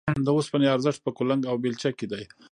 د اوسپنې ارزښت په کلنګ او بېلچه کې دی